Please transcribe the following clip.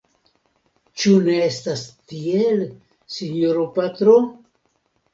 Ĉu ne estas tiel, sinjoro patro?